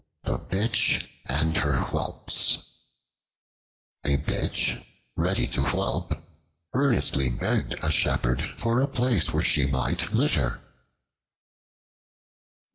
The Bitch and Her Whelps A BITCH, ready to whelp, earnestly begged a shepherd for a place where she might litter.